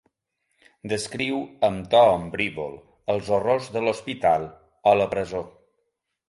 Descriu amb to ombrívol els horrors de l'hospital o la presó.